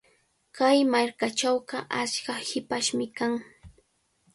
Kay markachawqa achka hipashmi kan.